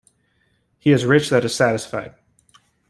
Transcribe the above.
He is rich that is satisfied.